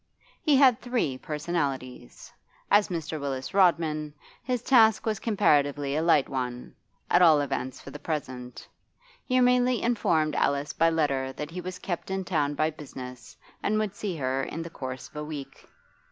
He had three personalities. As Mr. Willis Rodman his task was comparatively a light one, at all events for the present. He merely informed Alice by letter that he was kept in town by business and would see her in the course of a week.